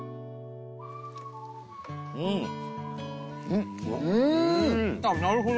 うん！